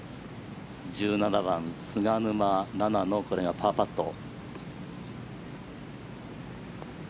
１７番、菅沼菜々のこれがパーパット。